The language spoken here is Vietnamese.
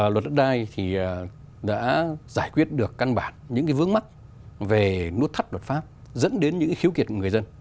luật đất đai thì đã giải quyết được căn bản những cái vướng mắt về nút thắt luật pháp dẫn đến những cái khiếu kiệt của người dân